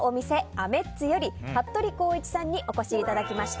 アメッツより服部公一さんにお越しいただきました。